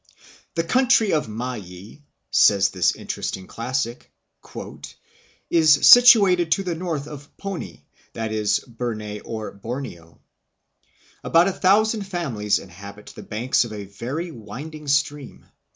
"The country of Mayi," says this interesting classic, "is situated to the north of Poni (Burney, or Borneo). About a thousand families inhabit the banks of a very winding stream.